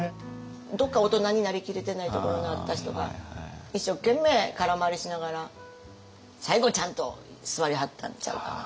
どっか大人になりきれてないところのあった人が一生懸命空回りしながら最後ちゃんと座りはったんちゃうかな。